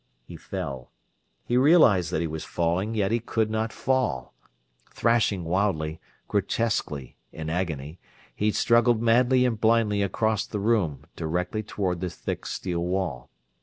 He fell. He realized that he was falling, yet he could not fall! Thrashing wildly, grotesquely in agony, he struggled madly and blindly across the room, directly toward the thick steel wall.